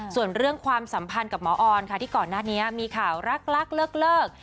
ส่วนเรื่องความสัมพันธ์กับหมอออนค่ะที่ก่อนหน้านี้มีข่าวรักเลิก